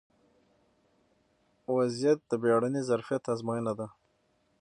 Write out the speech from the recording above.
ا وضعیت د بیړني ظرفیت ازموینه نه ده